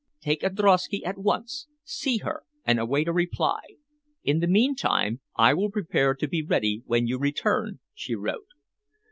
"Take a drosky at once, see her, and await a reply. In the meantime, I will prepare to be ready when you return," she wrote.